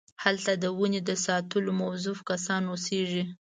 هلته د ونې د ساتلو موظف کسان اوسېږي.